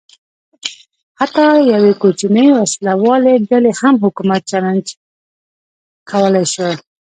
حتی یوې کوچنۍ وسله والې ډلې هم حکومت چلنج کولای شو.